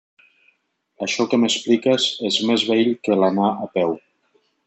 Això que m'expliques és més vell que l'anar a peu.